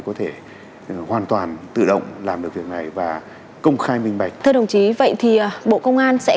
có thể hoàn toàn tự động làm được việc này và công khai minh bạch thưa đồng chí vậy thì bộ công an sẽ